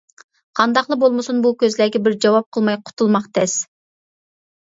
قانداقلا بولمىسۇن بۇ كۆزلەرگە بىر جاۋاب قىلماي قۇتۇلماق تەس.